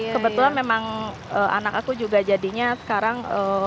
kebetulan memang anak aku juga jadinya sekarang